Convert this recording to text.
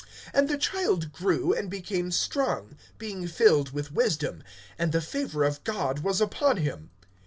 (40)And the child grew, and became strong, being filled with wisdom; and the favor of God was upon him.